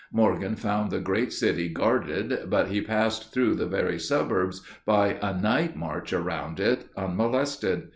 Morgan found the great city guarded, but he passed through the very suburbs by a night march around it, unmolested.